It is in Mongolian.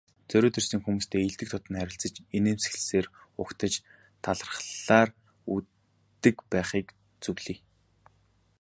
Зориод ирсэн хүмүүстэй эелдэг дотно харилцаж, инээмсэглэлээр угтаж, талархлаар үддэг байхыг зөвлөе.